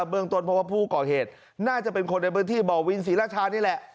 เมืองต้นเพราะว่าผู้ก่อเหตุน่าจะเป็นคนในพื้นที่บ่อวินศรีราชานี่แหละ